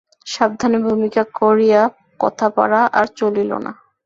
সাবধানে ভূমিকা করিয়া কথা পাড়া আর চলিল না।